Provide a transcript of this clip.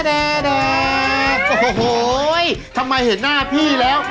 โอ้โหทำไมเห็นหน้าพี่แล้ว